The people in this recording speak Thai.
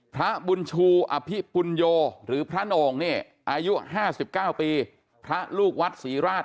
พระบุญชูอภิปุญโยหรือพระโหน่งเนี่ยอายุ๕๙ปีพระลูกวัดศรีราช